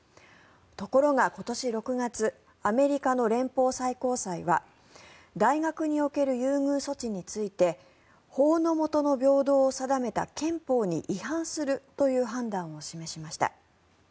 ところが今年６月アメリカの連邦最高裁は大学における優遇措置について法のもとの平等を定めた憲法に違反するという判断を示しました。